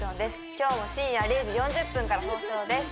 今日も深夜０時４０分から放送です